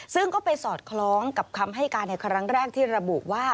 ซึ่งก็ไปสอดคล้องกับคำให้การในครั้งแรกที่ระบุว่า